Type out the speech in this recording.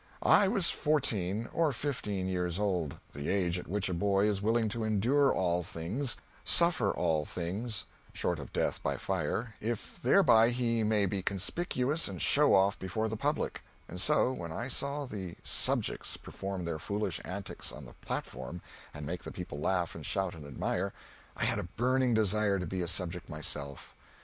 I was fourteen or fifteen years old the age at which a boy is willing to endure all things, suffer all things, short of death by fire, if thereby he may be conspicuous and show off before the public; and so, when I saw the "subjects" perform their foolish antics on the platform and make the people laugh and shout and admire, I had a burning desire to be a subject myself.